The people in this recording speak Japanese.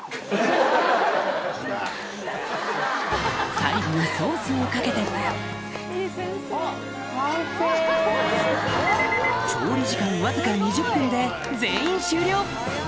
最後にソースをかけて調理時間わずか２０分で全員終了！